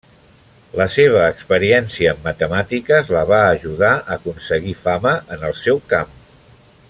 La seva experiència en matemàtiques la va ajudar a aconseguir fama en el seu camp.